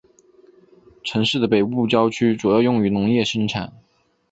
城市的北部郊区主要用于农业生产。